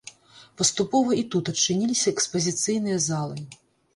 Паступова і тут адчыніліся экспазіцыйныя залы.